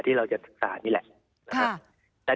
ที่เราจะศึกษานี่แหละ